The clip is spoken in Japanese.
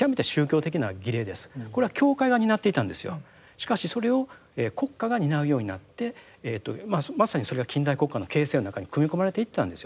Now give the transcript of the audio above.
しかしそれを国家が担うようになってまさにそれが近代国家の形成の中に組み込まれていったんですよね。